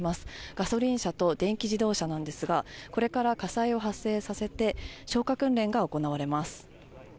ガソリン車と電気自動車なんですが、これから火災を発生させて、消火訓練が行われます。